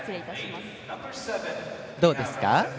どうですか？